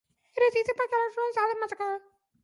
It is east of McAlester and south of Muskogee.